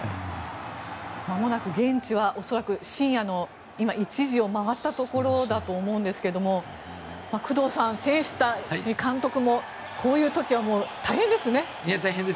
まもなく現地は恐らく深夜の１時を回ったところだと思うんですが工藤さん選手たち、監督もこういう時は大変ですよ。